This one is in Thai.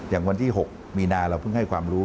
วันที่๖มีนาเราเพิ่งให้ความรู้